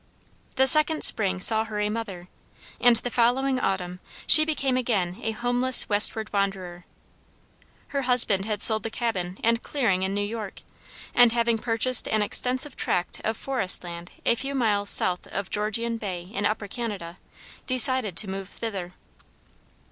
The second spring saw her a mother, and the following autumn she became again a homeless westward wanderer. Her husband had sold the cabin and clearing in New York, and having purchased an extensive tract of forest land a few miles south of Georgian Bay in Upper Canada, decided to move thither.